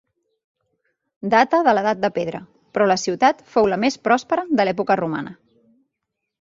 Data de l'Edat de Pedra, però la ciutat fou la més pròspera de l'època romana.